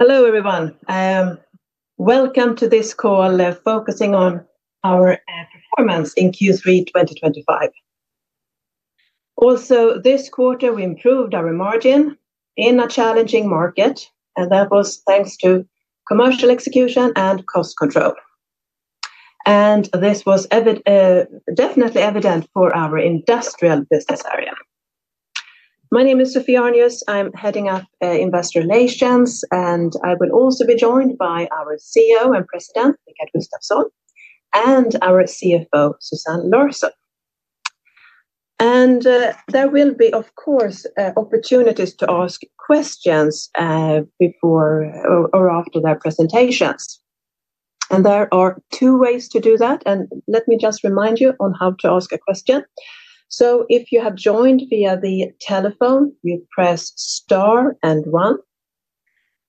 Hello everyone. Welcome to this call focusing on our performance in Q3 2025. Also, this quarter we improved our margin in a challenging market, and that was thanks to commercial execution and cost control. This was definitely evident for our industrial business area. My name is Sophie Arnius. I'm heading up Investor Relations, and I will also be joined by our CEO and President, Rickard Gustafson, and our CFO, Susanne Larsson. There will be, of course, opportunities to ask questions before or after their presentations. There are two ways to do that. Let me just remind you on how to ask a question. If you have joined via the telephone, you press star and one.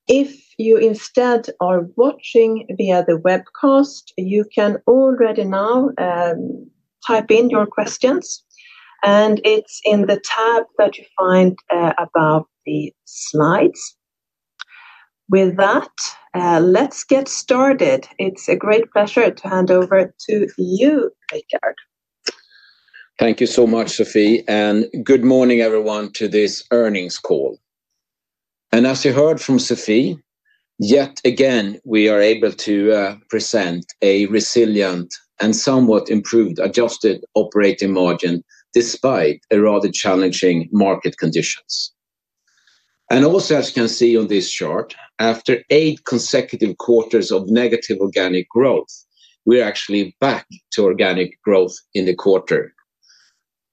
If you instead are watching via the webcast, you can already now type in your questions, and it's in the tab that you find above the slides. With that, let's get started. It's a great pleasure to hand over to you, Rickard. Thank you so much, Sophie, and good morning everyone to this earnings call. As you heard from Sophie, yet again we are able to present a resilient and somewhat improved adjusted operating margin despite rather challenging market conditions. Also, as you can see on this chart, after eight consecutive quarters of negative organic growth, we are actually back to organic growth in the quarter.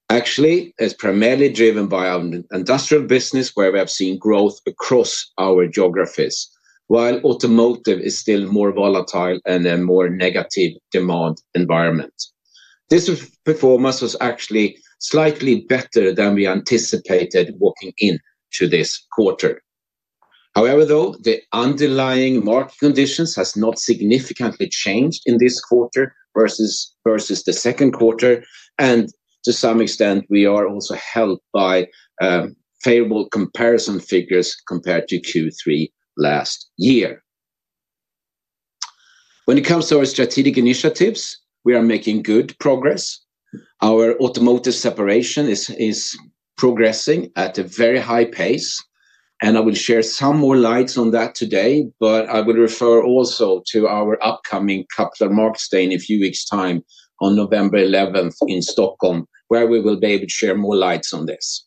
Actually, it's primarily driven by our industrial business, where we have seen growth across our geographies, while automotive is still more volatile and a more negative demand environment. This performance was actually slightly better than we anticipated walking into this quarter. However, the underlying market conditions have not significantly changed in this quarter versus the second quarter, and to some extent we are also helped by favorable comparison figures compared to Q3 last year. When it comes to our strategic initiatives, we are making good progress. Our automotive separation is progressing at a very high pace, and I will share some more lights on that today, but I will refer also to our upcoming Capital Markets Day in a few weeks' time on November 11th in Stockholm, where we will be able to share more lights on this.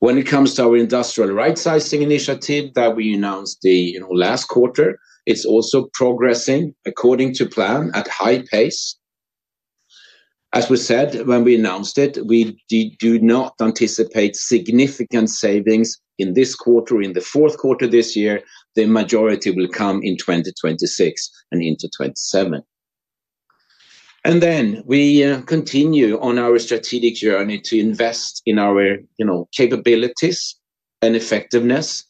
When it comes to our industrial rightsizing initiative that we announced in the last quarter, it's also progressing according to plan at a high pace. As we said when we announced it, we do not anticipate significant savings in this quarter or in the fourth quarter this year. The majority will come in 2026 and into 2027. We continue on our strategic journey to invest in our capabilities and effectiveness.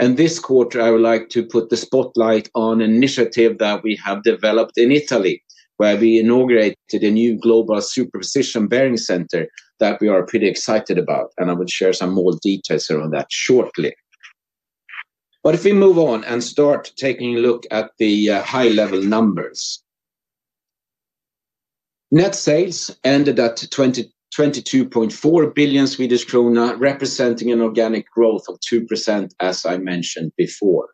This quarter I would like to put the spotlight on an initiative that we have developed in Italy, where we inaugurated a new global Super-precision Bearing Center that we are pretty excited about. I will share some more details around that shortly. If we move on and start taking a look at the high-level numbers, net sales ended at 22.4 billion Swedish krona, representing an organic growth of 2%, as I mentioned before.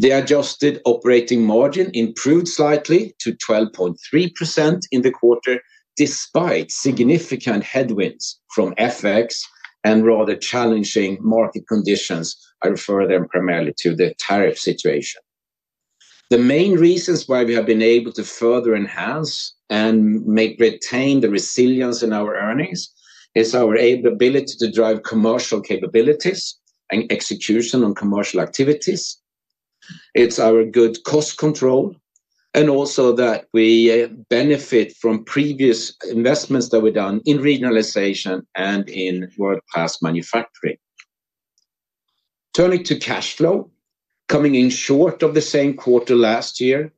The adjusted operating margin improved slightly to 12.3% in the quarter, despite significant headwinds from FX and rather challenging market conditions. I refer to them primarily to the tariff situation. The main reasons why we have been able to further enhance and maintain the resilience in our earnings are our ability to drive commercial capabilities and execution on commercial activities. It's our good cost control and also that we benefit from previous investments that were done in regionalization and in world-class manufacturing. Turning to cash flow, coming in short of the same quarter last year,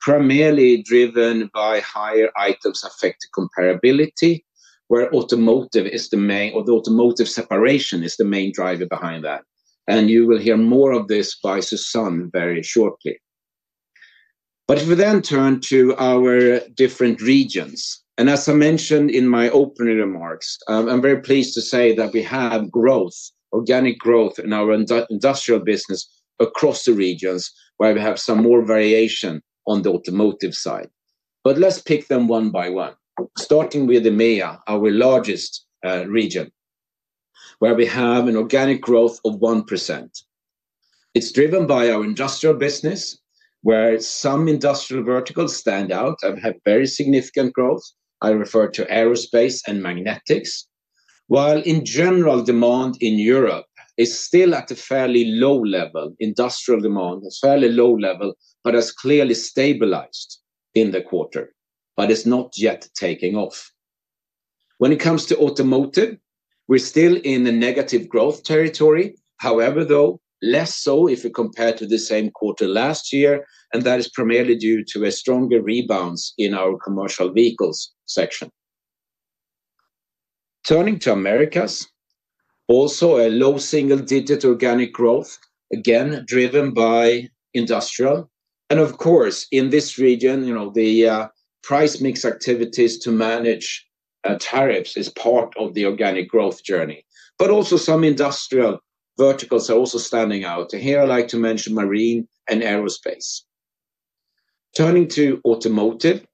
primarily driven by higher items affecting comparability, where automotive is the main or the automotive separation is the main driver behind that. You will hear more of this by Susanne very shortly. If we then turn to our different regions, as I mentioned in my opening remarks, I'm very pleased to say that we have growth, organic growth in our industrial business across the regions, where we have some more variation on the automotive side. Let's pick them one by one, starting with EMEA, our largest region, where we have an organic growth of 1%. It's driven by our industrial business, where some industrial verticals stand out and have very significant growth. I refer to aerospace and magnetics, while in general demand in Europe is still at a fairly low level. Industrial demand is fairly low level, but has clearly stabilized in the quarter, but is not yet taking off. When it comes to automotive, we're still in a negative growth territory, however, though, less so if we compare to the same quarter last year, and that is primarily due to a stronger rebound in our commercial vehicles section. Turning to Americas, also a low single-digit organic growth, again driven by industrial. In this region, you know the price mix activities to manage tariffs are part of the organic growth journey. Some industrial verticals are also standing out. Here I'd like to mention marine and aerospace. Turning to automotive,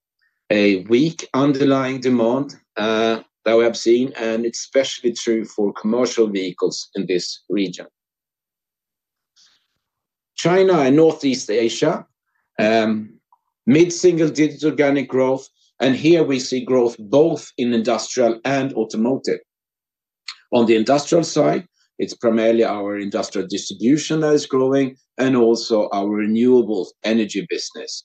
a weak underlying demand that we have seen, and it's especially true for commercial vehicles in this region. China and Northeast Asia, mid-single-digit organic growth, and here we see growth both in industrial and automotive. On the industrial side, it's primarily our industrial distribution that is growing and also our renewable energy business.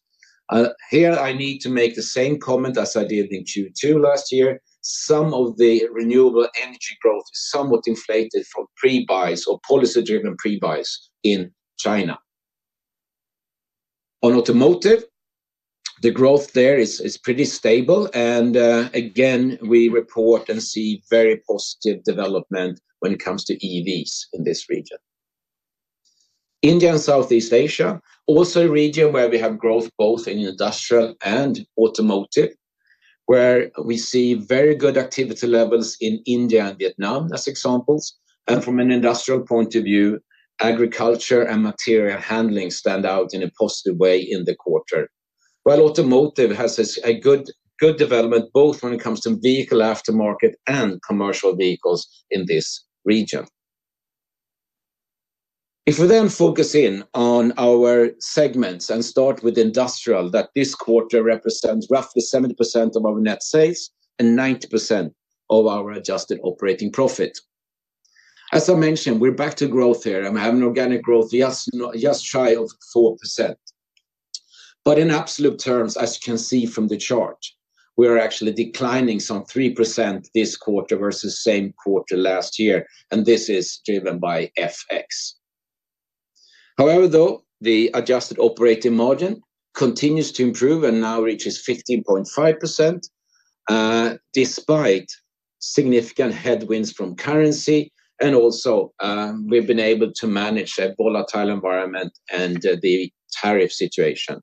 Here I need to make the same comment as I did in Q2 last year. Some of the renewable energy growth is somewhat inflated from pre-buys or policy-driven pre-buys in China. On automotive, the growth there is pretty stable, and again we report and see very positive development when it comes to EVs in this region. India and Southeast Asia, also a region where we have growth both in industrial and automotive, where we see very good activity levels in India and Vietnam as examples. From an industrial point of view, agriculture and material handling stand out in a positive way in the quarter, while automotive has a good development both when it comes to vehicle aftermarket and commercial vehicles in this region. If we then focus in on our segments and start with industrial, this quarter represents roughly 70% of our net sales and 90% of our adjusted operating profit. As I mentioned, we're back to growth here, and we have an organic growth just shy of 4%. In absolute terms, as you can see from the chart, we are actually declining some 3% this quarter versus the same quarter last year, and this is driven by FX. However, the adjusted operating margin continues to improve and now reaches 15.5% despite significant headwinds from currency, and also we've been able to manage a volatile environment and the tariff situation.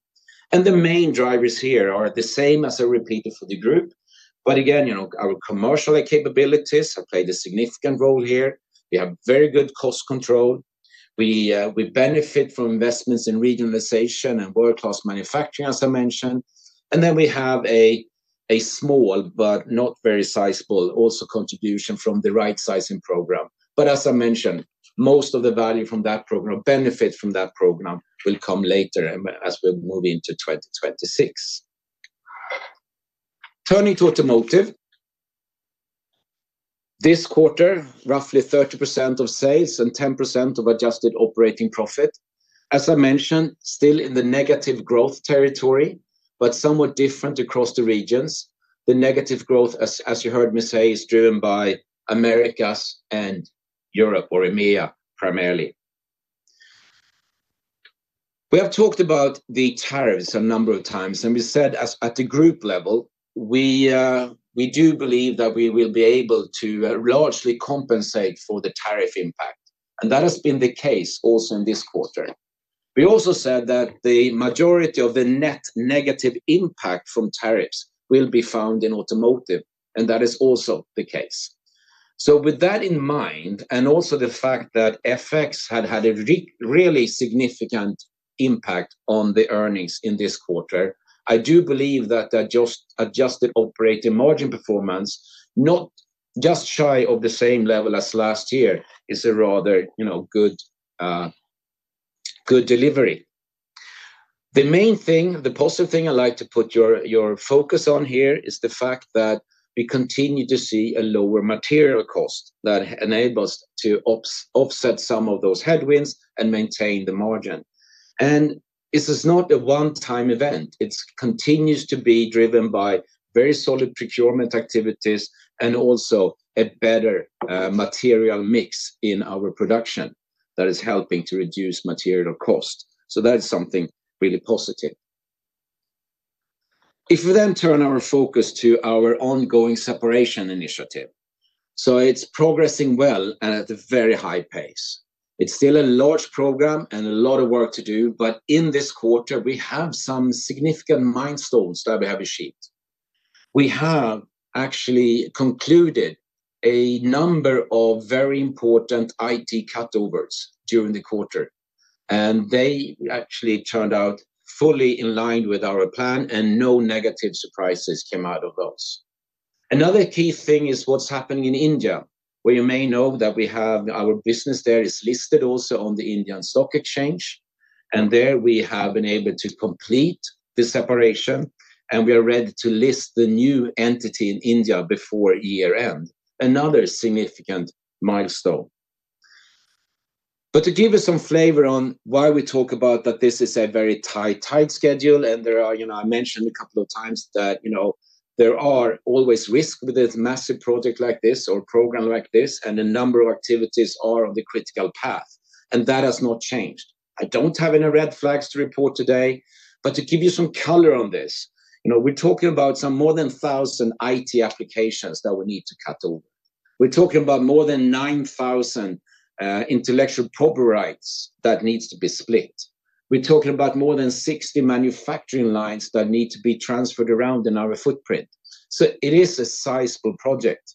The main drivers here are the same as I repeated for the group. Again, our commercial capabilities have played a significant role here. We have very good cost control. We benefit from investments in regionalization and world-class manufacturing, as I mentioned. We have a small but not very sizable also contribution from the rightsizing program. As I mentioned, most of the value from that program, benefits from that program, will come later as we move into 2026. Turning to automotive, this quarter, roughly 30% of sales and 10% of adjusted operating profit. As I mentioned, still in the negative growth territory, but somewhat different across the regions. The negative growth, as you heard me say, is driven by Americas and Europe or EMEA primarily. We have talked about the tariffs a number of times, and we said at the group level, we do believe that we will be able to largely compensate for the tariff impact, and that has been the case also in this quarter. We also said that the majority of the net negative impact from tariffs will be found in automotive, and that is also the case. With that in mind, and also the fact that FX had had a really significant impact on the earnings in this quarter, I do believe that the adjusted operating margin performance, not just shy of the same level as last year, is a rather good delivery. The main thing, the positive thing I'd like to put your focus on here is the fact that we continue to see a lower material cost that enables us to offset some of those headwinds and maintain the margin. This is not a one-time event. It continues to be driven by very solid procurement activities and also a better material mix in our production that is helping to reduce material cost. That is something really positive. If we then turn our focus to our ongoing separation initiative, it's progressing well and at a very high pace. It's still a large program and a lot of work to do, but in this quarter we have some significant milestones that we have achieved. We have actually concluded a number of very important IT cutovers during the quarter, and they actually turned out fully in line with our plan, and no negative surprises came out of those. Another key thing is what's happening in India, where you may know that our business there is listed also on the Indian Stock Exchange, and there we have been able to complete the separation, and we are ready to list the new entity in India before year-end. Another significant milestone. To give you some flavor on why we talk about that, this is a very tight, tight schedule, and there are, you know, I mentioned a couple of times that, you know, there are always risks with this massive project like this or program like this, and a number of activities are on the critical path, and that has not changed. I don't have any red flags to report today, but to give you some color on this, you know, we're talking about more than 1,000 IT applications that we need to cut over. We're talking about more than 9,000 intellectual property rights that need to be split. We're talking about more than 60 manufacturing lines that need to be transferred around in our footprint. It is a sizable project.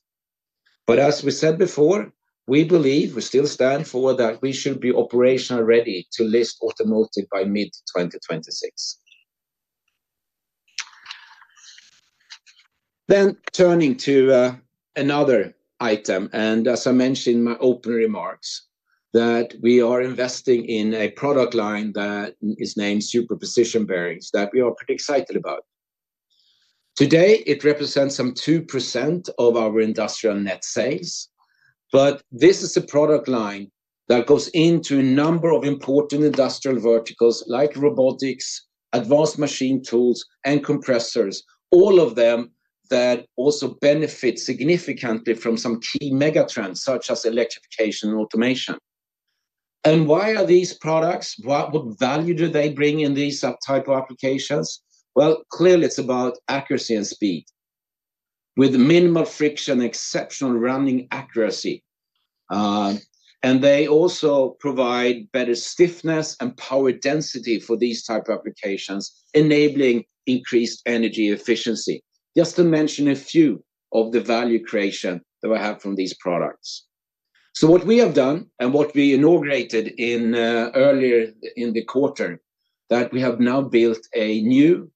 As we said before, we believe, we still stand for that we should be operationally ready to list automotive by mid-2026. Turning to another item, as I mentioned in my opening remarks, we are investing in a product line that is named Super-precision Bearings that we are pretty excited about. Today it represents some 2% of our industrial net sales, but this is a product line that goes into a number of important industrial verticals like robotics, advanced machine tools, and compressors, all of them that also benefit significantly from some key megatrends such as electrification and automation. Why are these products? What value do they bring in these types of applications? Clearly, it's about accuracy and speed with minimal friction, exceptional running accuracy, and they also provide better stiffness and power density for these types of applications, enabling increased energy efficiency, just to mention a few of the value creation that we have from these products. What we have done and what we inaugurated earlier in the quarter is that we have now built a new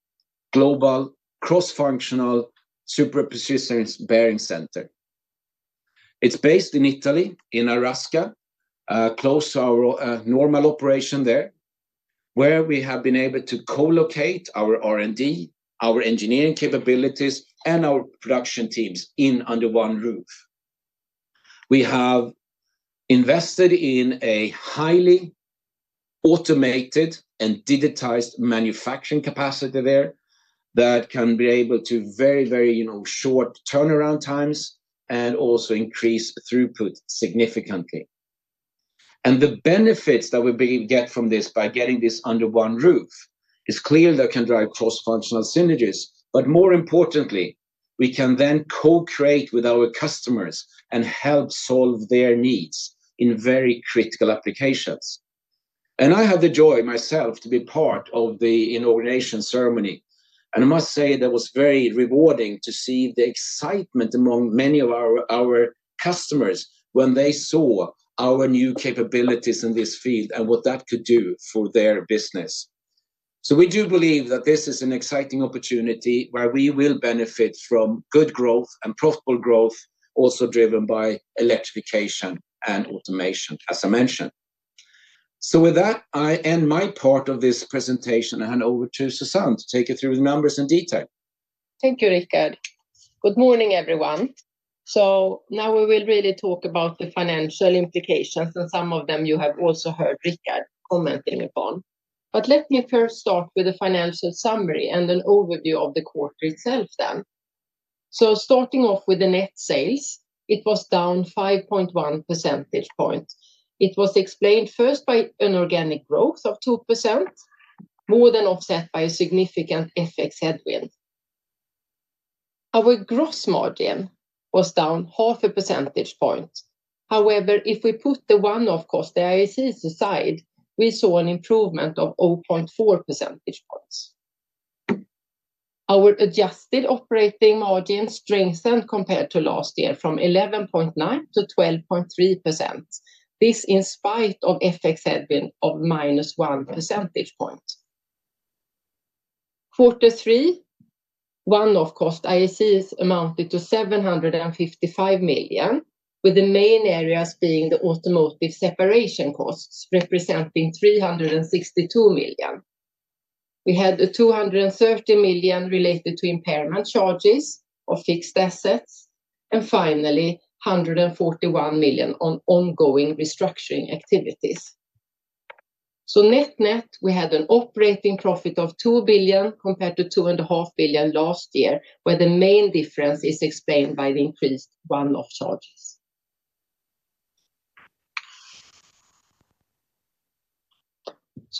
global cross-functional Super-precision Bearing Center. It's based in Italy, in Airasca, close to our normal operation there, where we have been able to co-locate our R&D, our engineering capabilities, and our production teams under one roof. We have invested in a highly automated and digitized manufacturing capacity there that can enable very, very short turnaround times and also increase throughput significantly. The benefits that we get from this by getting this under one roof are clear, as it can drive cross-functional synergies. More importantly, we can then co-create with our customers and help solve their needs in very critical applications. I had the joy myself to be part of the inauguration ceremony, and I must say that it was very rewarding to see the excitement among many of our customers when they saw our new capabilities in this field and what that could do for their business. We do believe that this is an exciting opportunity where we will benefit from good growth and profitable growth, also driven by electrification and automation, as I mentioned. With that, I end my part of this presentation and hand over to Susanne to take you through the numbers in detail. Thank you, Rickard. Good morning, everyone. Now we will really talk about the financial implications, and some of them you have also heard Rickard commenting upon. Let me first start with a financial summary and an overview of the quarter itself. Starting off with the net sales, it was down 5.1%. It was explained first by an organic growth of 2%, more than offset by a significant FX headwind. Our gross margin was down 0.5%. However, if we put the one-off cost, the ISCs aside, we saw an improvement of 0.4%. Our adjusted operating margin strengthened compared to last year from 11.9% to 12.3%. This in spite of FX headwind of -1%. Quarter three, one-off cost ISCs amounted to $755 million, with the main areas being the automotive separation costs representing $362 million. We had $230 million related to impairment charges of fixed assets, and finally $141 million on ongoing restructuring activities. Net-net, we had an operating profit of $2 billion compared to $2.5 billion last year, where the main difference is explained by the increased one-off charges.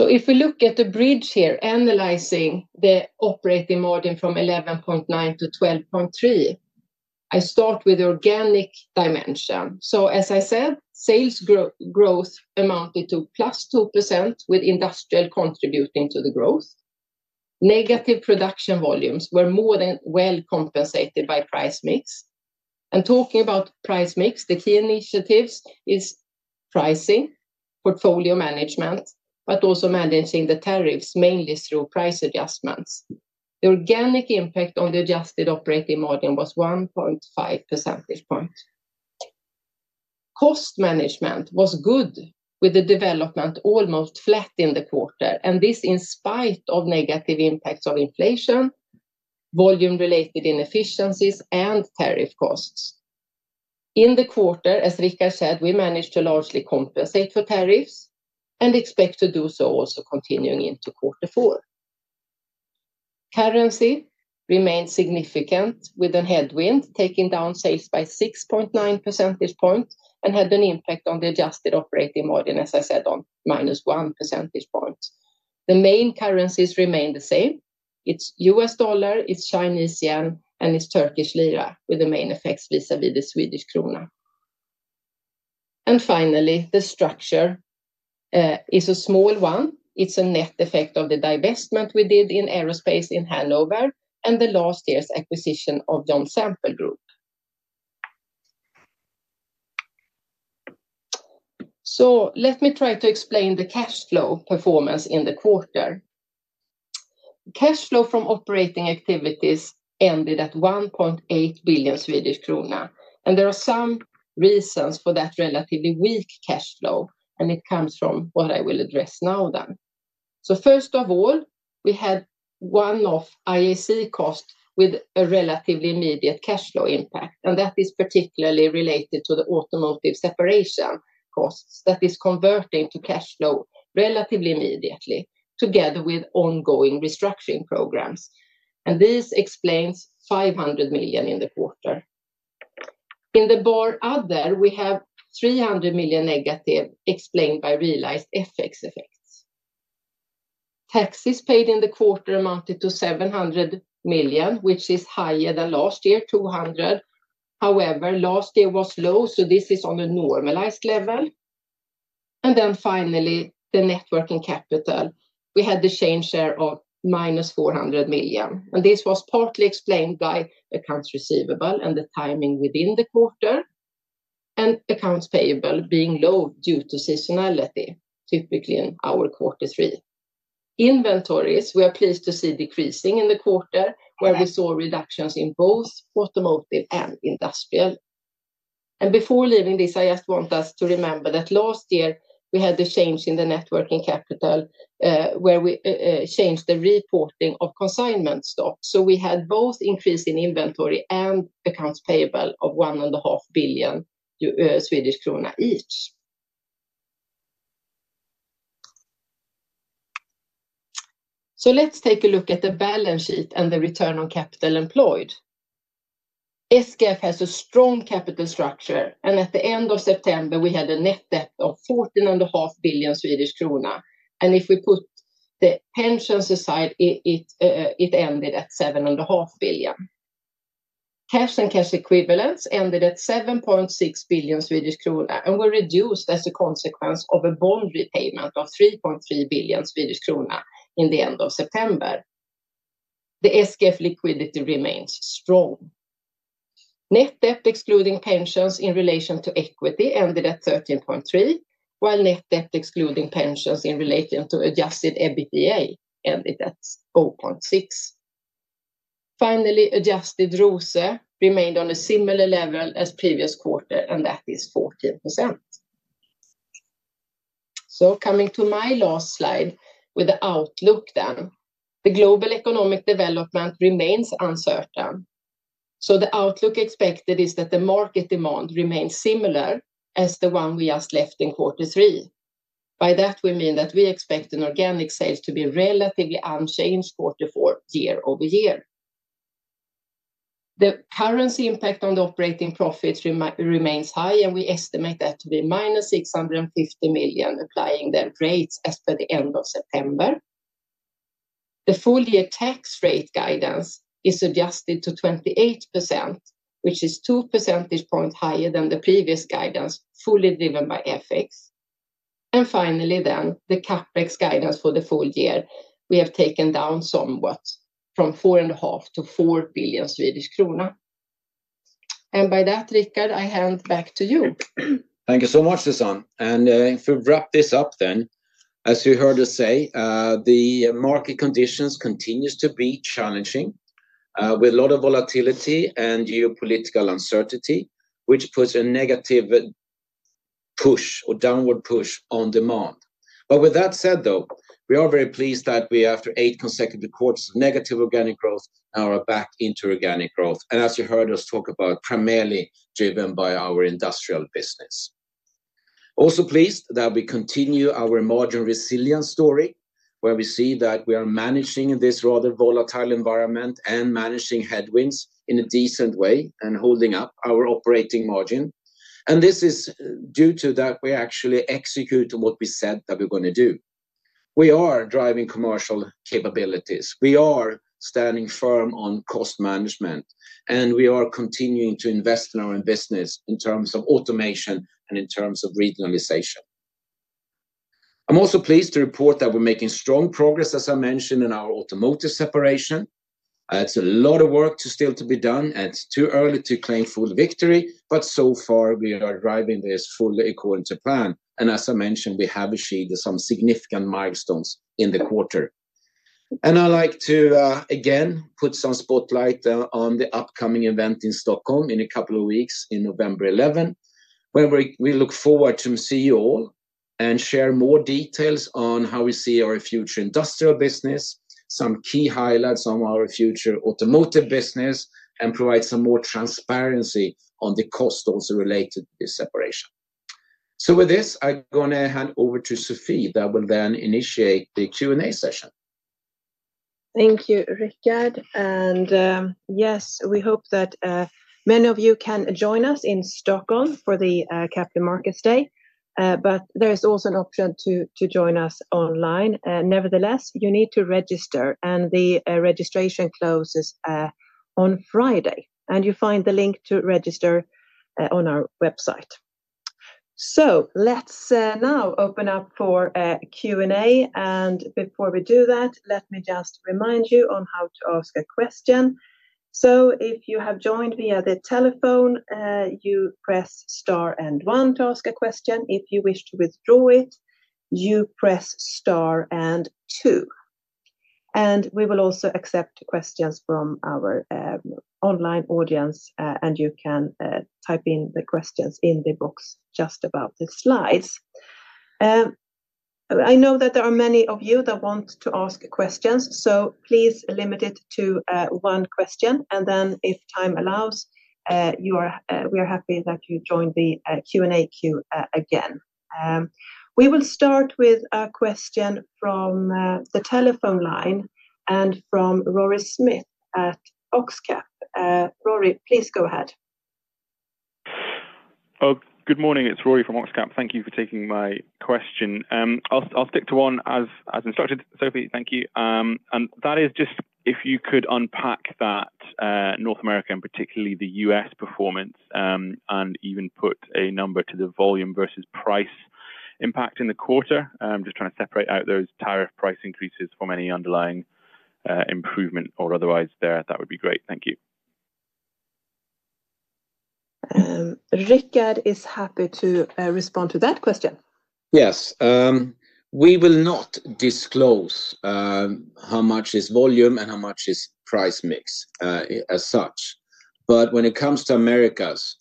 If we look at the bridge here analyzing the operating margin from 11.9%-12.3%, I start with the organic dimension. As I said, sales growth amounted to +2% with industrial contributing to the growth. Negative production volumes were more than well compensated by price mix. Talking about price mix, the key initiatives are pricing, portfolio management, but also managing the tariffs mainly through price adjustments. The organic impact on the adjusted operating margin was 1.5%. Cost management was good with the development almost flat in the quarter, and this in spite of negative impacts of inflation, volume-related inefficiencies, and tariff costs. In the quarter, as Rickard said, we managed to largely compensate for tariffs and expect to do so also continuing into quarter four. Currency remained significant with a headwind taking down sales by 6.9% and had an impact on the adjusted operating margin, as I said, on -1%. The main currencies remain the same. It's US dollar, it's Chinese yuan, and it's Turkish lira with the main effects vis-à-vis the Swedish krona. Finally, the structure is a small one. It's a net effect of the divestment we did in aerospace in Hanover and last year's acquisition of John Sample Group. Let me try to explain the cash flow performance in the quarter. Cash flow from operating activities ended at 1.8 billion Swedish krona, and there are some reasons for that relatively weak cash flow, and it comes from what I will address now then. First of all, we had one-off ISC costs with a relatively immediate cash flow impact, and that is particularly related to the automotive separation costs that is converting to cash flow relatively immediately together with ongoing restructuring programs. This explains 500 million in the quarter. In the bar other, we have 300 million negative explained by realized FX effects. Taxes paid in the quarter amounted to 700 million, which is higher than last year, 200 million. However, last year was low, so this is on a normalized level. Finally, the networking capital, we had the change there of -400 million, and this was partly explained by accounts receivable and the timing within the quarter, and accounts payable being low due to seasonality, typically in our quarter three. Inventories, we are pleased to see decreasing in the quarter where we saw reductions in both automotive and industrial. Before leaving this, I just want us to remember that last year we had a change in the networking capital where we changed the reporting of consignment stocks. We had both increase in inventory and accounts payable of 1.5 billion Swedish krona each. Let's take a look at the balance sheet and the return on capital employed. SKF has a strong capital structure, and at the end of September, we had a net debt of 14.5 billion Swedish krona. If we put the pensions aside, it ended at 7.5 billion. Cash and cash equivalents ended at 7.6 billion Swedish krona, and were reduced as a consequence of a bond repayment of 3.3 billion Swedish krona in the end of September. The SKF liquidity remains strong. Net debt excluding pensions in relation to equity ended at 13.3%, while net debt excluding pensions in relation to adjusted EBITDA ended at 0.6. Finally, adjusted ROSE remained on a similar level as previous quarter, and that is 14%. Coming to my last slide with the outlook then, the global economic development remains uncertain. The outlook expected is that the market demand remains similar as the one we just left in quarter three. By that, we mean that we expect an organic sales to be relatively unchanged quarter four year-over-year. The currency impact on the operating profits remains high, and we estimate that to be -650 million applying the rates as per the end of September. The full-year tax rate guidance is adjusted to 28%, which is 2% higher than the previous guidance, fully driven by FX. Finally, the CapEx guidance for the full year we have taken down somewhat from 4.5 billion to 4 billion Swedish krona. By that, Rickard, I hand back to you. Thank you so much, Susanne. If we wrap this up then, as you heard us say, the market conditions continue to be challenging with a lot of volatility and geopolitical uncertainty, which puts a negative push or downward push on demand. With that said, though, we are very pleased that we are after eight consecutive quarters of negative organic growth and are back into organic growth. As you heard us talk about, primarily driven by our industrial business. Also pleased that we continue our margin resilience story where we see that we are managing in this rather volatile environment and managing headwinds in a decent way and holding up our operating margin. This is due to that we actually execute on what we said that we're going to do. We are driving commercial capabilities. We are standing firm on cost management, and we are continuing to invest in our own business in terms of automation and in terms of regionalization. I'm also pleased to report that we're making strong progress, as I mentioned, in our automotive separation. It's a lot of work still to be done, and it's too early to claim full victory, but so far we are driving this fully according to plan. As I mentioned, we have achieved some significant milestones in the quarter. I'd like to again put some spotlight on the upcoming event in Stockholm in a couple of weeks on November 11th, where we look forward to seeing you all and sharing more details on how we see our future industrial business, some key highlights on our future automotive business, and provide some more transparency on the cost also related to this separation. With this, I'm going to hand over to Sophie that will then initiate the Q&A session. Thank you, Rickard. Yes, we hope that many of you can join us in Stockholm for the Capital Markets Day, but there is also an option to join us online. Nevertheless, you need to register, and the registration closes on Friday. You find the link to register on our website. Let's now open up for Q&A. Before we do that, let me just remind you on how to ask a question. If you have joined via the telephone, you press star and one to ask a question. If you wish to withdraw it, you press star and two. We will also accept questions from our online audience, and you can type in the questions in the box just above the slides. I know that there are many of you that want to ask questions, so please limit it to one question. If time allows, we are happy that you join the Q&A queue again. We will start with a question from the telephone line and from Rory Smith at Oxcap. Rory, please go ahead. Good morning. It's Rory from Oxcap. Thank you for taking my question. I'll stick to one as instructed, Sophie. Thank you. That is just if you could unpack that North America and particularly the U.S. performance and even put a number to the volume versus price impact in the quarter. I'm just trying to separate out those tariff price increases from any underlying improvement or otherwise there. That would be great. Thank you. Rickard is happy to respond to that question. Yes. We will not disclose how much is volume and how much is price mix as such. When it comes to Americas,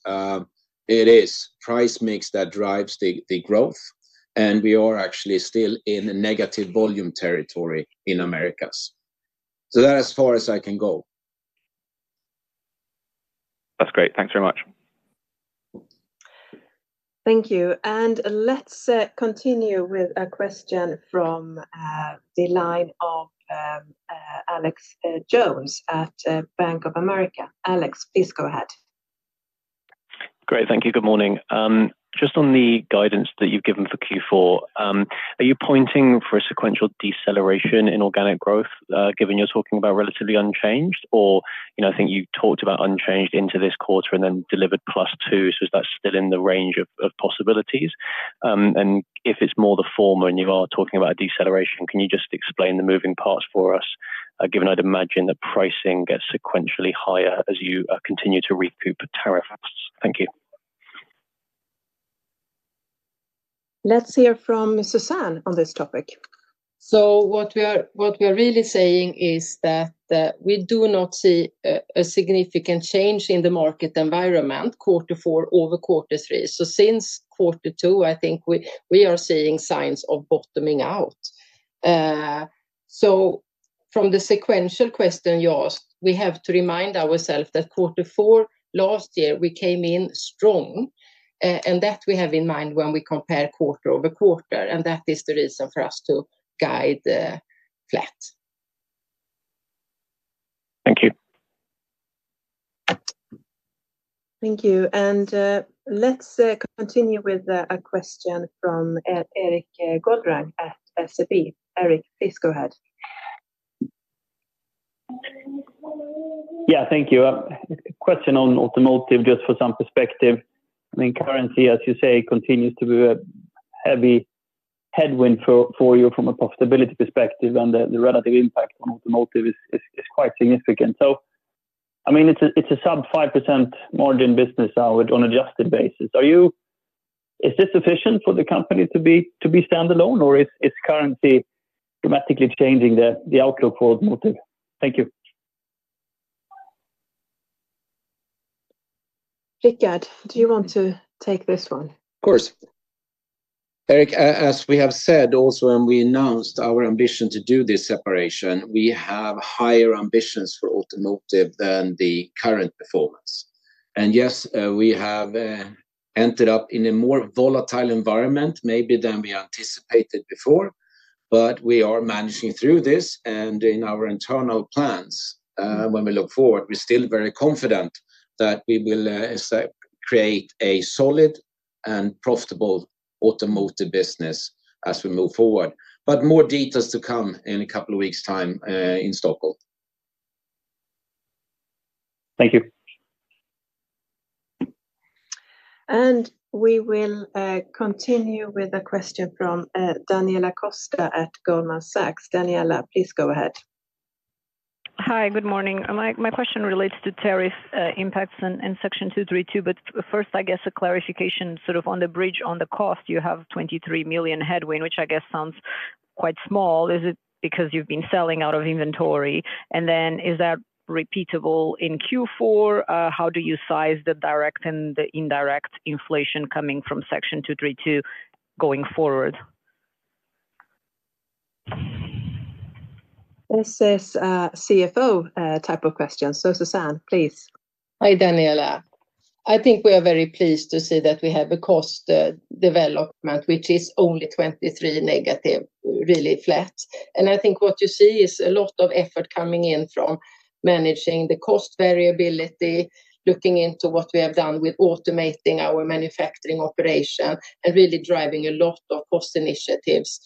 it is price mix that drives the growth, and we are actually still in a negative volume territory in Americas. That's as far as I can go. That's great. Thanks very much. Thank you. Let's continue with a question from the line of Alex Jones at Bank of America. Alex, please go ahead. Great. Thank you. Good morning. Just on the guidance that you've given for Q4, are you pointing for a sequential deceleration in organic growth given you're talking about relatively unchanged? I think you talked about unchanged into this quarter and then delivered +2%. Is that still in the range of possibilities? If it's more the former and you are talking about a deceleration, can you just explain the moving parts for us, given I'd imagine that pricing gets sequentially higher as you continue to recoup tariffs? Thank you. Let's hear from Susanne on this topic. What we are really saying is that we do not see a significant change in the market environment quarter four over quarter three. Since quarter two, I think we are seeing signs of bottoming out. From the sequential question you asked, we have to remind ourselves that quarter four last year we came in strong and that we have in mind when we compare quarter-over-quarter, and that is the reason for us to guide flat. Thank you. Thank you. Let's continue with a question from Erik Golrang at SEB. Erik, please go ahead. Thank you. A question on automotive just for some perspective. I mean, currency, as you say, continues to be a heavy headwind for you from a profitability perspective, and the relative impact on automotive is quite significant. I mean, it's a sub 5% margin business now on an adjusted basis. Is this sufficient for the company to be standalone, or is currency dramatically changing the outlook for automotive? Thank you. Rickard, do you want to take this one? Of course. Erik, as we have said also and we announced our ambition to do this separation, we have higher ambitions for automotive than the current performance. Yes, we have ended up in a more volatile environment maybe than we anticipated before, but we are managing through this. In our internal plans, when we look forward, we're still very confident that we will create a solid and profitable automotive business as we move forward. More details to come in a couple of weeks' time in Stockholm. Thank you. We will continue with a question from Daniela Costa at Goldman Sachs. Daniela, please go ahead. Hi, good morning. My question relates to tariff impacts in Section 232, but first, I guess a clarification on the bridge on the cost. You have $23 million headwind, which I guess sounds quite small. Is it because you've been selling out of inventory? Is that repeatable in Q4? How do you size the direct and the indirect inflation coming from Section 232 going forward? This is a CFO type of question. Susanne, please. Hi Daniela. I think we are very pleased to see that we have a cost development which is only 23 negative, really flat. I think what you see is a lot of effort coming in from managing the cost variability, looking into what we have done with automating our manufacturing operation, and really driving a lot of cost initiatives,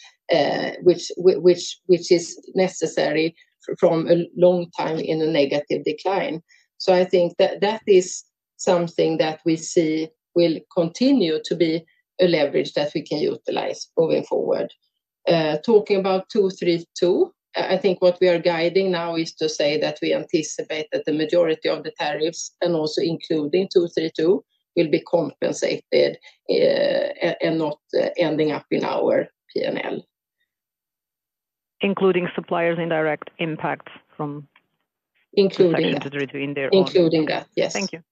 which is necessary from a long time in a negative decline. I think that is something that we see will continue to be a leverage that we can utilize moving forward. Talking about Section 232, I think what we are guiding now is to say that we anticipate that the majority of the tariffs, and also including Section 232, will be compensated and not ending up in our P&L. Including suppliers' indirect impacts from. Including that, yes. Thank you.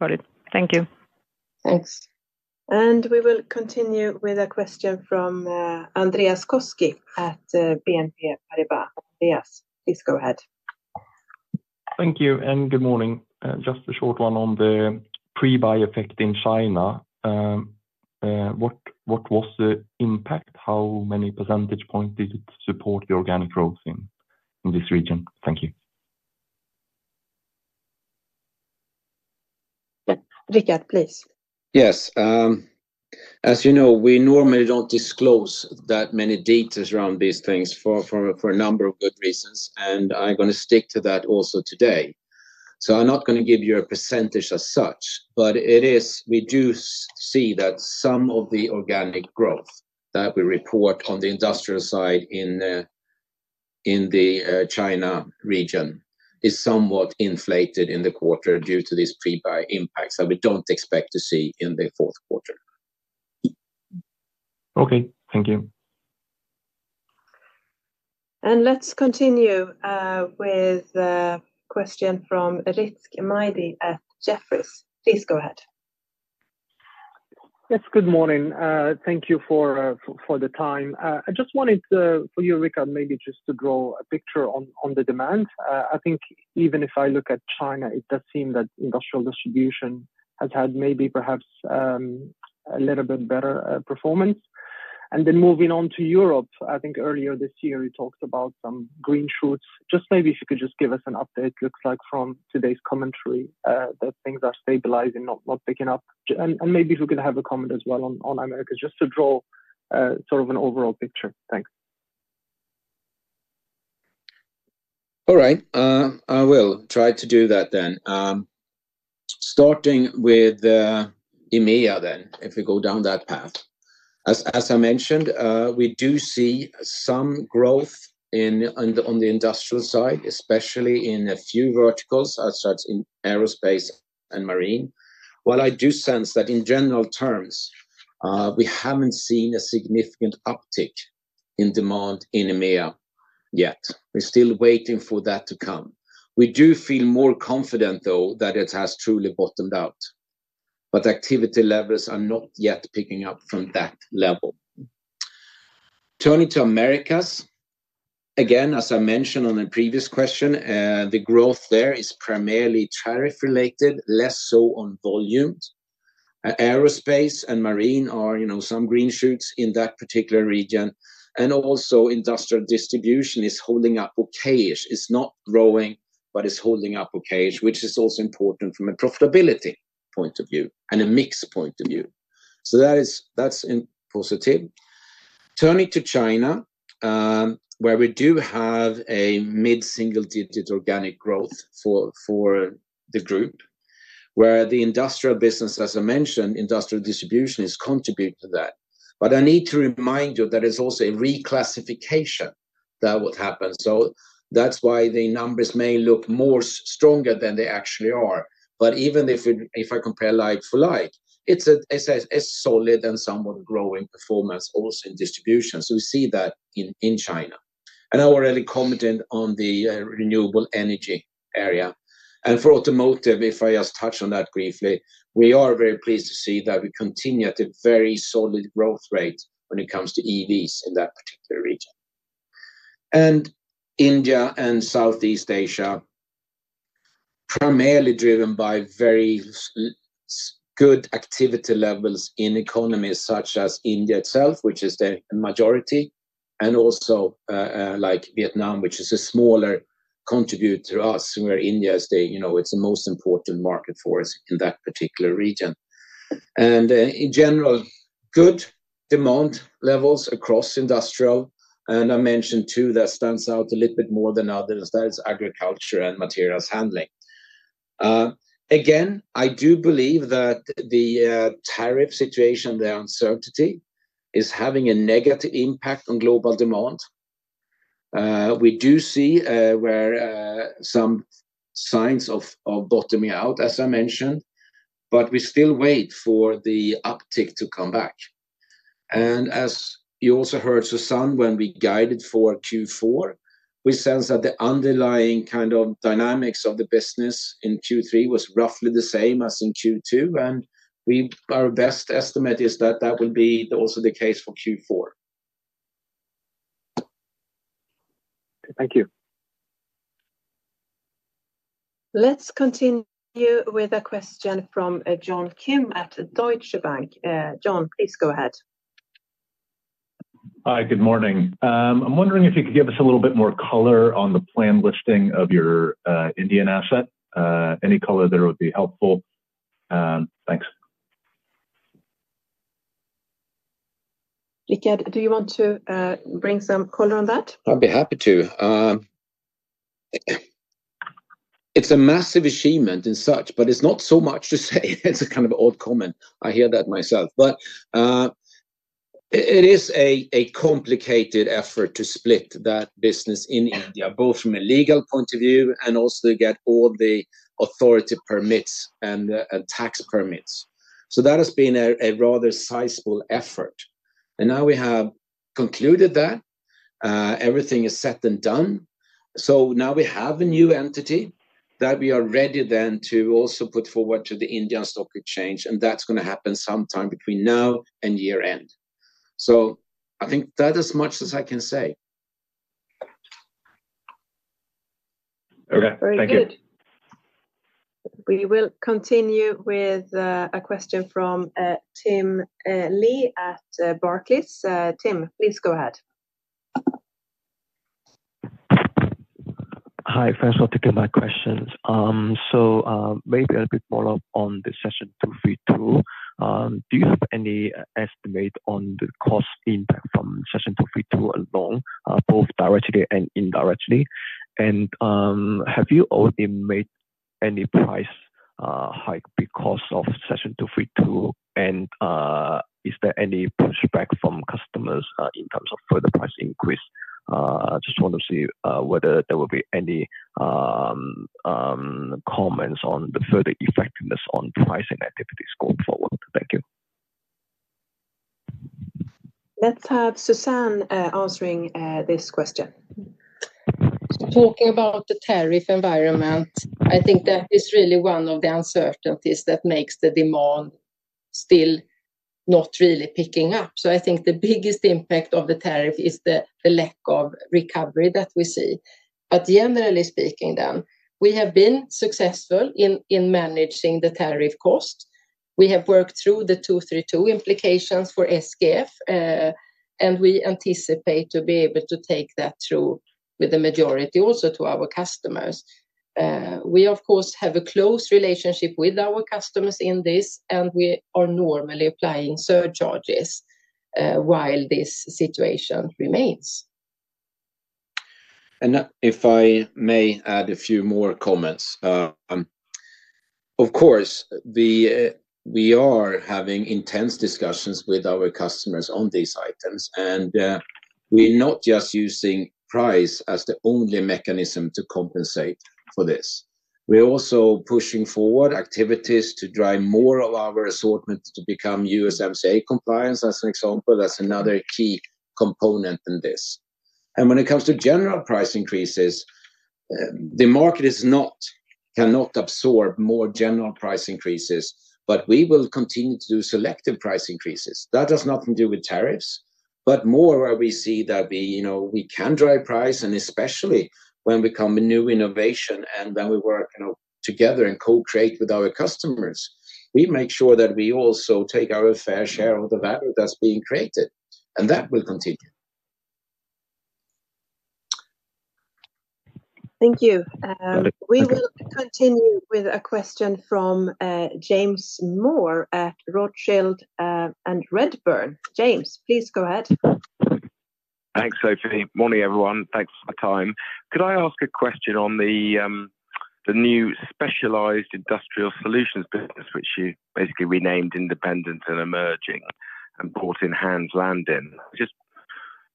Got it. Thank you. Thanks. We will continue with a question from Andreas Koski at BNP Paribas. Andreas, please go ahead. Thank you. Good morning. Just a short one on the pre-buy effect in China. What was the impact? How many percentage points did it support the organic growth in this region? Thank you. Rickard, please. Yes. As you know, we normally don't disclose that many details around these things for a number of good reasons, and I'm going to stick to that also today. I'm not going to give you a percentage as such, but we do see that some of the organic growth that we report on the industrial side in the China region is somewhat inflated in the quarter due to these pre-buy impacts that we don't expect to see in the fourth quarter. Okay, thank you. Let's continue with a question from Rizk Maidi at Jefferies. Please go ahead. Yes. Good morning. Thank you for the time. I just wanted for you, Rickard, maybe just to draw a picture on the demand. I think even if I look at China, it does seem that industrial distribution has had maybe perhaps a little bit better performance. Moving on to Europe, I think earlier this year you talked about some green shoots. If you could just give us an update, it looks like from today's commentary that things are stabilizing, not picking up. If you could have a comment as well on Americas, just to draw sort of an overall picture. Thanks. All right. I will try to do that then. Starting with EMEA then, if we go down that path. As I mentioned, we do see some growth on the industrial side, especially in a few verticals such as in aerospace and marine. While I do sense that in general terms, we haven't seen a significant uptick in demand in EMEA yet. We're still waiting for that to come. We do feel more confident, though, that it has truly bottomed out. Activity levels are not yet picking up from that level. Turning to Americas, as I mentioned on the previous question, the growth there is primarily tariff-related, less so on volume. Aerospace and marine are some green shoots in that particular region. Industrial distribution is holding up okayish. It's not growing, but it's holding up okayish, which is also important from a profitability point of view and a mix point of view. That's positive. Turning to China, where we do have a mid-single-digit organic growth for the group, the industrial business, as I mentioned, industrial distribution is contributing to that. I need to remind you that it's also a reclassification that would happen. That's why the numbers may look more stronger than they actually are. Even if I compare like for like, it's a solid and somewhat growing performance also in distribution. We see that in China. I already commented on the renewable energy area. For automotive, if I just touch on that briefly, we are very pleased to see that we continue at a very solid growth rate when it comes to EVs in that particular region. India and Southeast Asia, primarily driven by very good activity levels in economies such as India itself, which is the majority, and also like Vietnam, which is a smaller contributor to us, where India is the most important market for us in that particular region. In general, good demand levels across industrial. I mentioned two that stand out a little bit more than others. That is agriculture and materials handling. I do believe that the tariff situation, the uncertainty, is having a negative impact on global demand. We do see some signs of bottoming out, as I mentioned, but we still wait for the uptick to come back. As you also heard, Susanne, when we guided for Q4, we sense that the underlying kind of dynamics of the business in Q3 was roughly the same as in Q2. Our best estimate is that that will be also the case for Q4. Thank you. Let's continue with a question from John Kim at Deutsche Bank. John, please go ahead. Hi, good morning. I'm wondering if you could give us a little bit more color on the planned listing of your Indian asset. Any color there would be helpful. Thanks. Rickard, do you want to bring some color on that? I'd be happy to. It's a massive achievement in such, but it's not so much to say. It's a kind of odd comment. I hear that myself. It is a complicated effort to split that business in India, both from a legal point of view and also get all the authority permits and tax permits. That has been a rather sizable effort. Now we have concluded that everything is set and done. We have a new entity that we are ready then to also put forward to the Indian Stock Exchange, and that's going to happen sometime between now and year-end. I think that's as much as I can say. Okay, thank you. Very good. We will continue with a question from Tim Lee at Barclays. Tim, please go ahead. Hi. Thanks for taking my questions. Maybe a little bit more on the Section 232. Do you have any estimate on the cost impact from Section 232 alone, both directly and indirectly? Have you already made any price hike because of Section 232, and is there any pushback from customers in terms of further price increase? I just want to see whether there will be any comments on the further effectiveness on pricing activities going forward. Thank you. Let's have Susanne answering this question. Talking about the tariff environment, I think that is really one of the uncertainties that makes the demand still not really picking up. I think the biggest impact of the tariff is the lack of recovery that we see. Generally speaking, we have been successful in managing the tariff costs. We have worked through the Section 232 implications for SKF, and we anticipate to be able to take that through with the majority also to our customers. We, of course, have a close relationship with our customers in this, and we are normally applying surcharges while this situation remains. If I may add a few more comments. Of course, we are having intense discussions with our customers on these items, and we're not just using price as the only mechanism to compensate for this. We're also pushing forward activities to drive more of our assortment to become USMCA compliant as an example. That's another key component in this. When it comes to general price increases, the market cannot absorb more general price increases, but we will continue to do selective price increases. That has nothing to do with tariffs, but more where we see that we can drive price, especially when we come with new innovation and when we work together and co-create with our customers, we make sure that we also take our fair share of the value that's being created. That will continue. Thank you. We will continue with a question from James Moore at Rothschild & Redburn. James, please go ahead. Thanks, Sophie. Morning, everyone. Thanks for the time. Could I ask a question on the new Specialized Industrial Solutions business, which you basically renamed Independent and Emerging and brought in Hans Landin?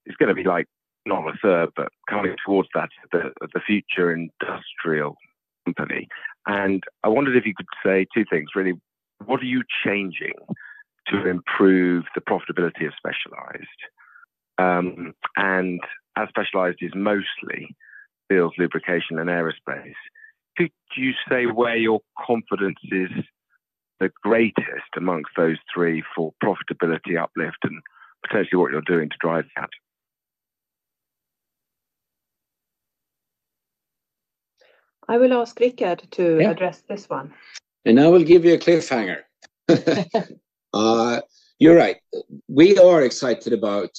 It's going to be like not a third, but kind of towards that, the future industrial company. I wondered if you could say two things, really. What are you changing to improve the profitability of Specialized? As Specialized is mostly field lubrication and aerospace, could you say where your confidence is the greatest amongst those three for profitability uplift and potentially what you're doing to drive that? I will ask Rickard to address this one. I will give you a cliffhanger. You're right. We are excited about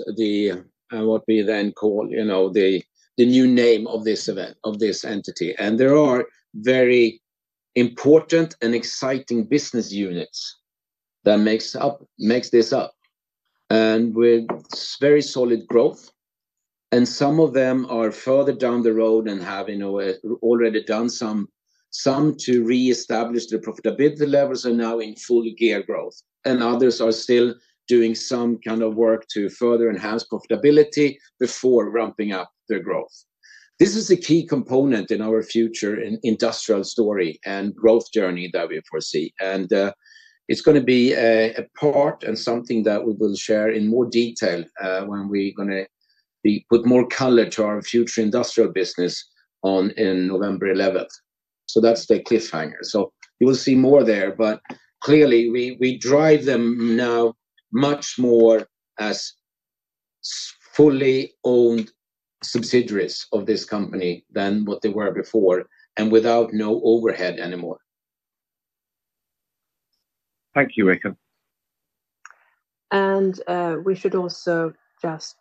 what we then call the new name of this entity. There are very important and exciting business units that make this up, with very solid growth. Some of them are further down the road and have already done some to reestablish their profitability levels and are now in full gear growth. Others are still doing some kind of work to further enhance profitability before ramping up their growth. This is a key component in our future industrial story and growth journey that we foresee. It is going to be a part and something that we will share in more detail when we are going to put more color to our future industrial business on November 11th. That is the cliffhanger. You will see more there, but clearly we drive them now much more as fully owned subsidiaries of this company than what they were before and with no overhead anymore. Thank you, Rickard. We should also just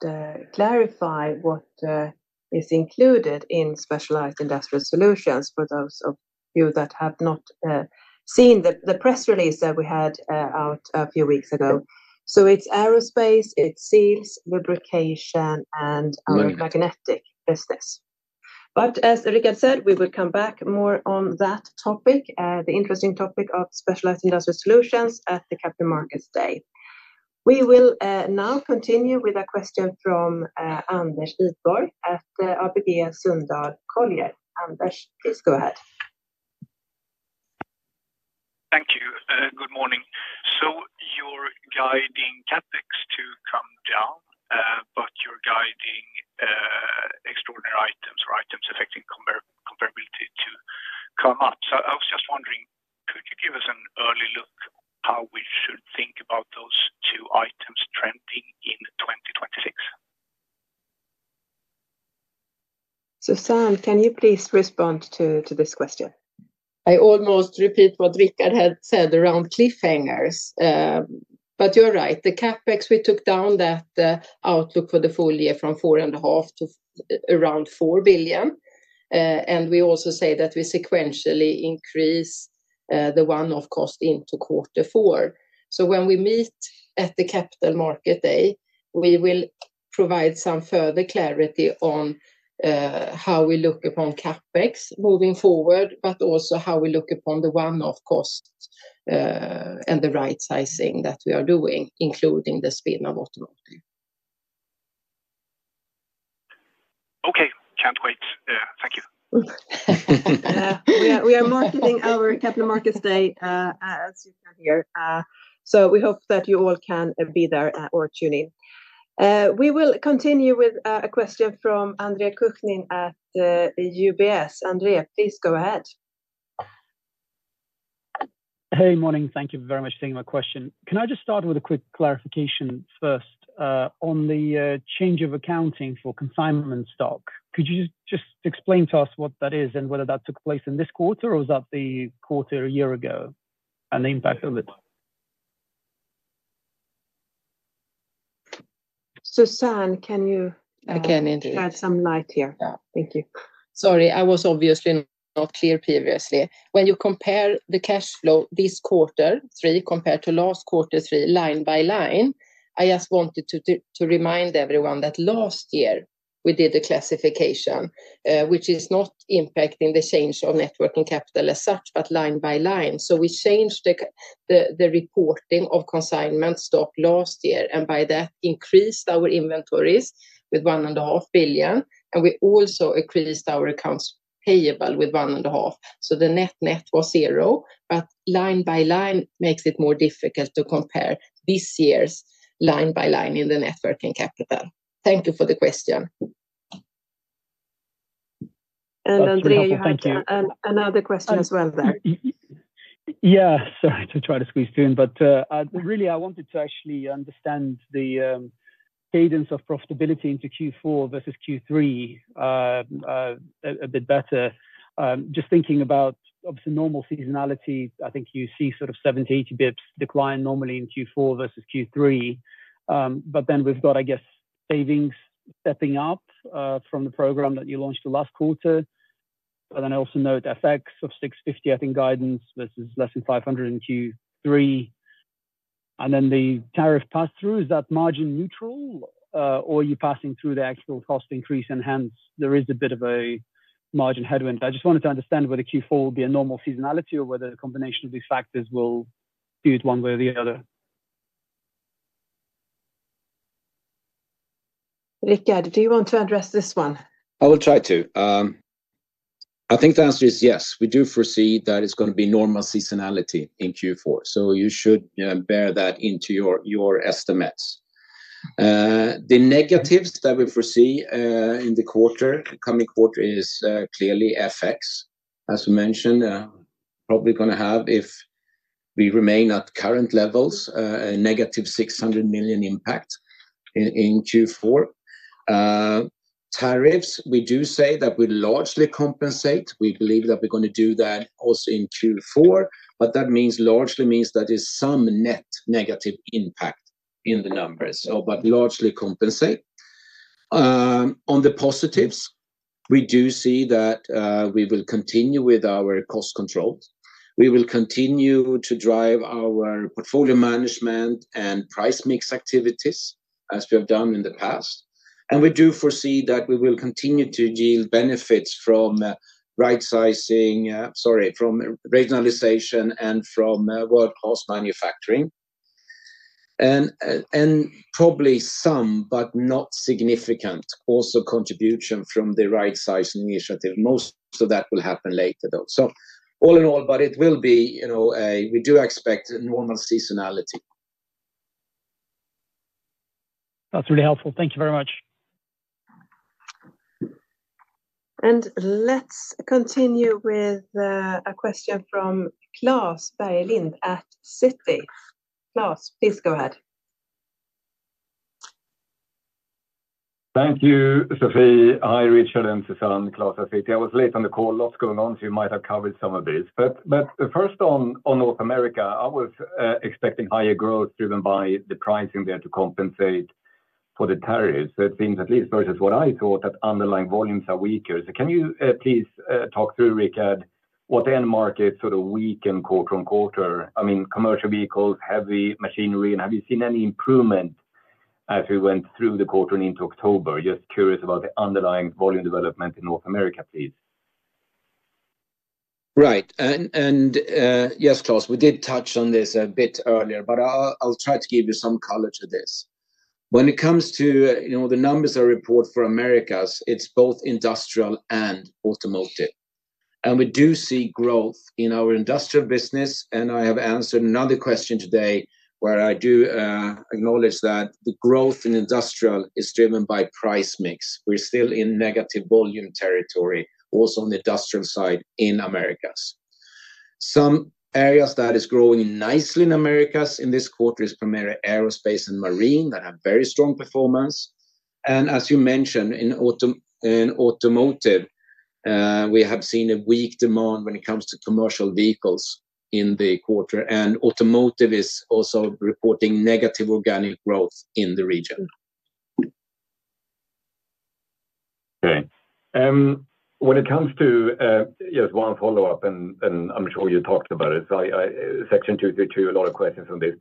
clarify what is included in specialized industrial solutions for those of you that have not seen the press release that we had out a few weeks ago. It's aerospace, it's seals, lubrication, and our magnetic business. As Rickard said, we will come back more on that topic, the interesting topic of specialized industrial solutions at the Capital Markets Day. We will now continue with a question from Anders Idborg at ABG Sundal Collier. Anders, please go ahead. Thank you. Good morning. You are guiding CapEx to come down, but you are guiding extraordinary items or items affecting comparability to come up. I was just wondering, could you give us an early look at how we should think about those two items trending in 2026? Susanne, can you please respond to this question? I almost repeat what Rickard had said around cliffhangers. You're right, the CapEx, we took down that outlook for the full year from 4.5 billion to around 4 billion. We also say that we sequentially increase the one-off cost into quarter four. When we meet at the Capital Markets Day, we will provide some further clarity on how we look upon CapEx moving forward, but also how we look upon the one-off costs and the rightsizing that we are doing, including the spin of automotive. Okay, can't wait. Thank you. We are marketing our Capital Markets Day as you can hear. We hope that you all can be there or tune in. We will continue with a question from Andre Kukhnin at UBS. Andre, please go ahead. Hey, morning. Thank you very much for taking my question. Can I just start with a quick clarification first? On the change of accounting for consignment stock, could you just explain to us what that is and whether that took place in this quarter or was that the quarter a year ago, and the impact of it? Susanne, can you add some light here? Thank you. Sorry, I was obviously not clear previously. When you compare the cash flow this quarter three compared to last quarter three line by line, I just wanted to remind everyone that last year we did the classification, which is not impacting the change of net working capital as such, but line by line. We changed the reporting of consignment stock last year, and by that increased our inventories with 1.5 billion. We also increased our accounts payable with 1.5 billion. The net net was zero, but line by line makes it more difficult to compare this year's line by line in the net working capital. Thank you for the question. Andre, you had another question as well there. Sorry to try to squeeze through, but really, I wanted to actually understand the cadence of profitability into Q4 versus Q3 a bit better. Just thinking about, obviously, normal seasonality, I think you see sort of 70-80 bps decline normally in Q4 versus Q3. We've got, I guess, savings stepping up from the program that you launched the last quarter. I also note FX of 650 million, I think, guidance versus less than 500 million in Q3. The tariff pass-through, is that margin neutral, or are you passing through the actual cost increase? Hence, there is a bit of a margin headwind. I just wanted to understand whether Q4 will be a normal seasonality or whether a combination of these factors will do it one way or the other. Rickard, do you want to address this one? I will try to. I think the answer is yes. We do foresee that it's going to be normal seasonality in Q4, so you should bear that into your estimates. The negatives that we foresee in the coming quarter is clearly FX. As I mentioned, probably going to have, if we remain at current levels, a negative 600 million impact in Q4. Tariffs, we do say that we largely compensate. We believe that we're going to do that also in Q4, but that largely means there is some net negative impact in the numbers, but largely compensate. On the positives, we do see that we will continue with our cost control. We will continue to drive our portfolio management and price mix activities as we have done in the past. We do foresee that we will continue to yield benefits from regionalization and from world-class manufacturing, and probably some, but not significant, also contribution from the rightsizing initiative. Most of that will happen later, though. All in all, we do expect normal seasonality. That's really helpful. Thank you very much. Let's continue with a question from Klas Bergelind at Citi. Klaas, please go ahead. Thank you, Sophie. Hi, Rickard and Susanne. Klas at Citi. I was late on the call. Lots going on, so you might have covered some of these. First on North America, I was expecting higher growth driven by the pricing there to compensate for the tariffs. It seems at least versus what I thought that underlying volumes are weaker. Can you please talk through, Rickard, what the end market sort of weakened quarter on quarter? I mean, commercial vehicles, heavy machinery, and have you seen any improvement as we went through the quarter into October? Just curious about the underlying volume development in North America, please. Right. Yes, Klas, we did touch on this a bit earlier, but I'll try to give you some color to this. When it comes to the numbers I report for Americas, it's both industrial and automotive. We do see growth in our industrial business. I have answered another question today where I do acknowledge that the growth in industrial is driven by price mix. We're still in negative volume territory, also on the industrial side in Americas. Some areas that are growing nicely in Americas in this quarter are primarily aerospace and marine that have very strong performance. As you mentioned, in automotive, we have seen a weak demand when it comes to commercial vehicles in the quarter. Automotive is also reporting negative organic growth in the region. Okay. When it comes to, yes, one follow-up, I'm sure you talked about it, Section 232, a lot of questions on this.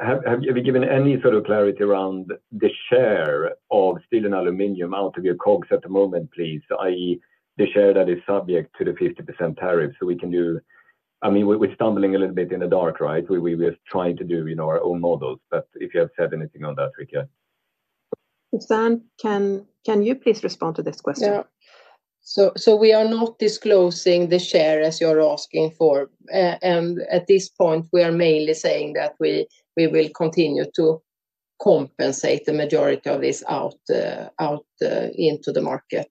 Have you given any sort of clarity around the share of steel and aluminum out of your COGS at the moment, i.e., the share that is subject to the 50% tariff? We can do, I mean, we're stumbling a little bit in the dark, right? We're trying to do our own models. If you have said anything on that, Rickard. Susanne, can you please respond to this question? We are not disclosing the share as you're asking for. At this point, we are mainly saying that we will continue to compensate the majority of this out into the market.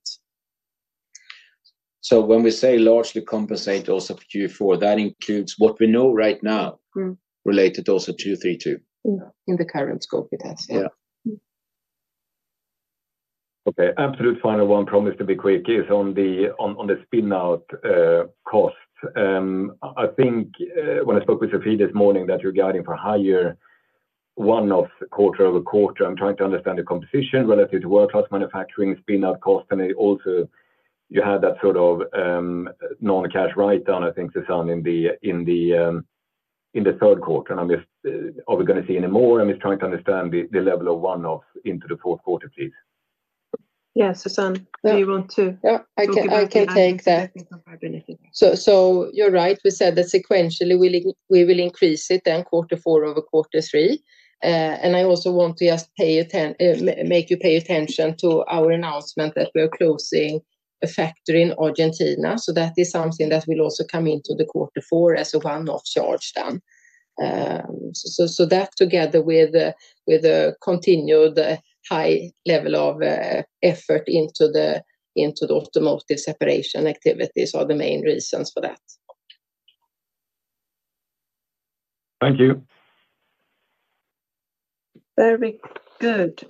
When we say largely compensate also for Q4, that includes what we know right now related to also Section 232. In the current scope, it is. Yeah. Okay. Through the final one, promise to be quick, is on the spin-out costs. I think when I spoke with Sophie this morning that you're guiding for higher one-off quarter-over-quarter, I'm trying to understand the composition relative to world-class manufacturing, spin-out cost, and also you had that sort of non-cash write-down, I think, Susanne, in the third quarter. I'm just, are we going to see any more? I'm just trying to understand the level of one-offs into the fourth quarter, please. Yeah, Susanne, do you want to? Yeah, I can take that. You're right. We said that sequentially we will increase it in quarter four over quarter three. I also want to just make you pay attention to our announcement that we are closing a factory in Argentina. That is something that will also come into quarter four as a one-off charge. That, together with a continued high level of effort into the automotive separation activities, are the main reasons for that. Thank you. Very good.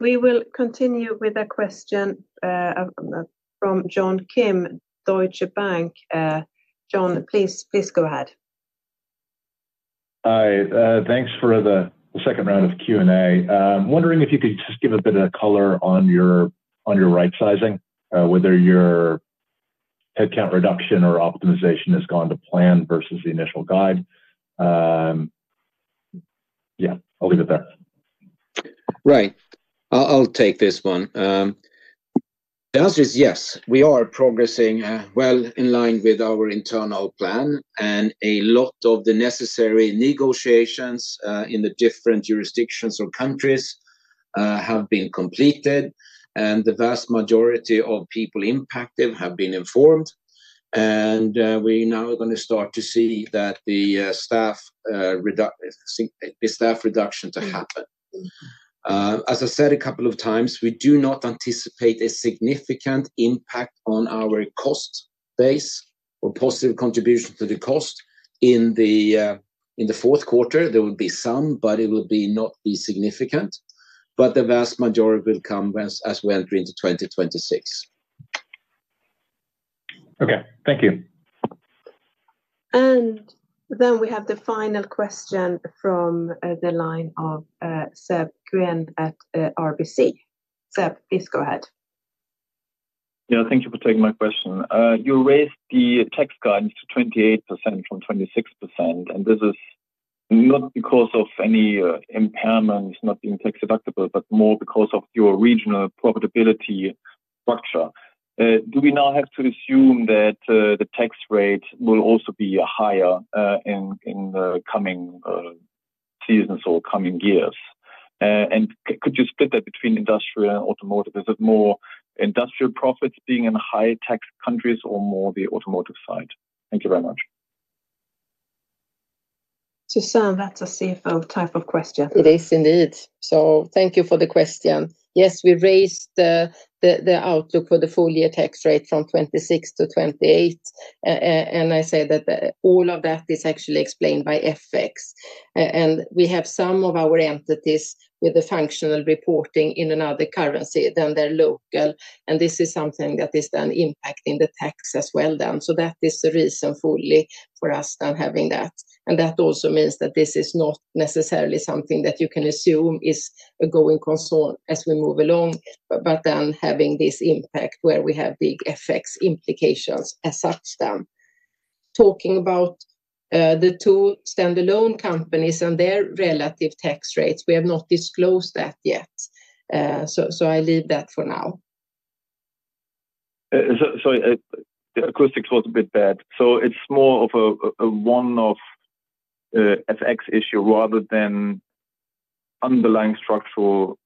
We will continue with a question from John Kim, Deutsche Bank. John, please go ahead. Hi. Thanks for the second round of Q&A. I'm wondering if you could just give a bit of color on your rightsizing, whether your headcount reduction or optimization has gone to plan versus the initial guide. I'll leave it there. Right. I'll take this one. The answer is yes. We are progressing well in line with our internal plan, and a lot of the necessary negotiations in the different jurisdictions or countries have been completed, and the vast majority of people impacted have been informed. We're now going to start to see the staff reduction to happen. As I said a couple of times, we do not anticipate a significant impact on our cost base or positive contribution to the cost in the fourth quarter. There will be some, but it will not be significant. The vast majority will come as we enter into 2026. Okay, thank you. We have the final question from the line of Seb Kueene at RBC. Seb, please go ahead. Thank you for taking my question. You raised the tax guidance to 28% from 26%, and this is not because of any impairments not being tax deductible, but more because of your regional profitability structure. Do we now have to assume that the tax rate will also be higher in the coming seasons or coming years? Could you split that between industrial and automotive? Is it more industrial profits being in high tax countries or more the automotive side? Thank you very much. Susanne, that's a CFO type of question. It is indeed. Thank you for the question. Yes, we raised the outlook for the full-year tax rate from 26% to 28%. All of that is actually explained by FX. We have some of our entities with the functional reporting in another currency than their local. This is something that is impacting the tax as well. That is a reason fully for us having that. This also means that this is not necessarily something that you can assume is going as we move along, but having this impact where we have big FX implications as such. Talking about the two standalone companies and their relative tax rates, we have not disclosed that yet. I leave that for now. Sorry, the acoustics were a bit bad. It's more of a one-off FX issue rather than an underlying structural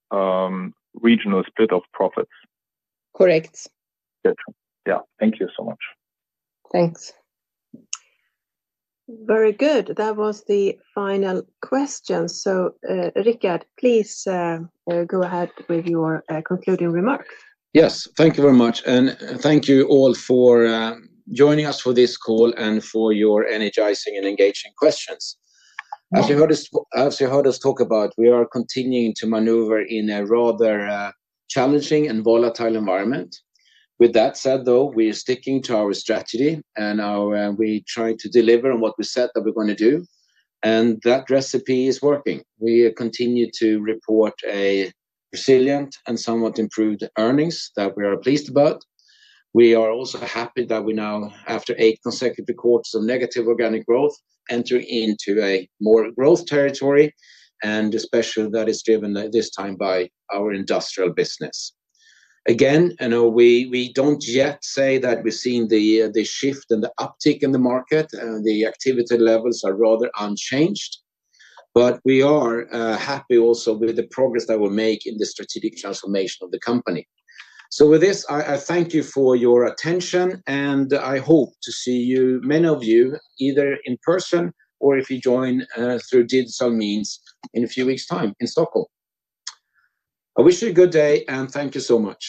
regional split of profits. Correct. Thank you so much. Thanks. Very good. That was the final question. Rickard, please go ahead with your concluding remarks. Yes. Thank you very much. Thank you all for joining us for this call and for your energizing and engaging questions. As you heard us talk about, we are continuing to maneuver in a rather challenging and volatile environment. With that said, though, we are sticking to our strategy, and we try to deliver on what we said that we're going to do. That recipe is working. We continue to report resilient and somewhat improved earnings that we are pleased about. We are also happy that we now, after eight consecutive quarters of negative organic growth, enter into a more growth territory, and especially that is driven this time by our industrial business. We don't yet say that we've seen the shift and the uptick in the market, and the activity levels are rather unchanged. We are happy also with the progress that we'll make in the strategic transformation of the company. With this, I thank you for your attention, and I hope to see you, many of you, either in person or if you join through digital means in a few weeks' time in Stockholm. I wish you a good day, and thank you so much.